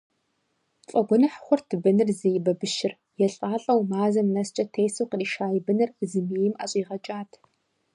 ТфӀэгуэныхь хъурт быныр зей бабыщыр: елӀалӀэу мазэм нэскӀэ тесу къриша и быныр зымейм ӀэщӀигъэкӀат.